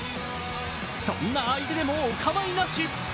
そんな相手でもお構いなし。